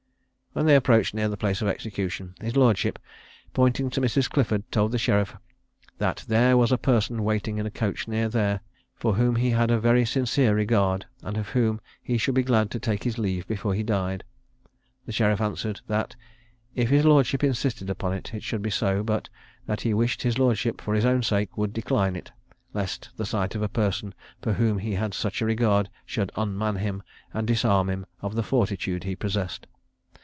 When they approached near the place of execution, his lordship, pointing to Mrs. Clifford, told the sheriff "that there was a person waiting in a coach near there, for whom he had a very sincere regard, and of whom he should be glad to take his leave before he died." The sheriff answered that, "if his lordship insisted upon it, it should be so; but that he wished his lordship, for his own sake, would decline it, lest the sight of a person, for whom he had such a regard, should unman him, and disarm him of the fortitude he possessed."